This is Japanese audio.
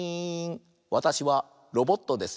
わたしはロボットです。